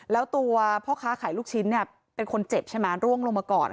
แล้วตัวพ่อค้าขายลูกชิ้นเนี่ยเป็นคนเจ็บใช่ไหมร่วงลงมาก่อน